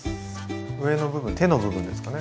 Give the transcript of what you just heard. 上の部分手の部分ですかね。